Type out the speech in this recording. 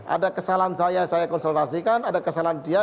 ada kesalahan saya saya konsultasikan ada kesalahan dia